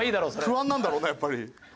不安なんだろうねやっぱり。